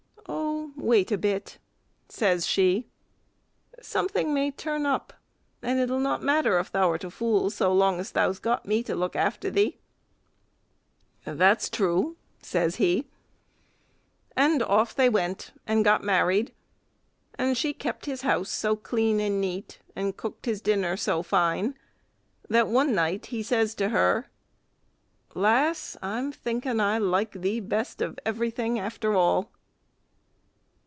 "Oh, wait a bit," says she, "something may turn up, and it'll not matter if thou 'rt a fool, so long'st thou 'st got me to look after thee." "That's true," says he, and off they went and got married. And she kept his house so clean and neat, and cooked his dinner so fine, that one night he says to her: "Lass, I'm thinking I like thee best of everything after all."